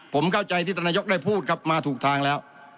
ผมเข้าใจที่ท่านนายกได้พูดครับมาถูกทางแล้ว